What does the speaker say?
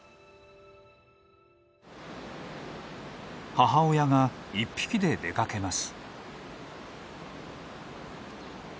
母親が１匹で出かけます。